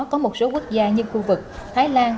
có một số quốc gia như khu vực thái lan